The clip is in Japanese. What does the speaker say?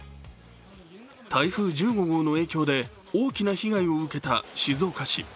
台風１５号の影響で大きな被害を受けた静岡市。